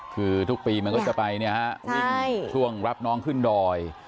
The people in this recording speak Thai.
คือทุกปีมันก็จะไปวิ่งช่วงรับน้องขึ้นดอย